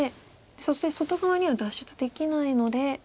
そして外側には脱出できないので。